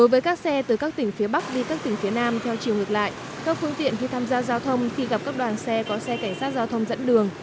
vì các tỉnh phía nam theo chiều ngược lại các phương tiện khi tham gia giao thông khi gặp các đoàn xe có xe cảnh sát giao thông dẫn đường